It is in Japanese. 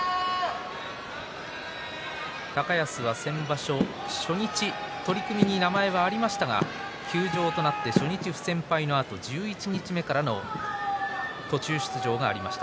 高安は先場所、初日取組に名前はありましたが休場になって、初日不戦敗のあと十一日目からの途中出場がありました。